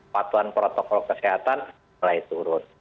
patuan protokol kesehatan mulai turun